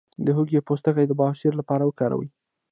د هوږې پوستکی د بواسیر لپاره وکاروئ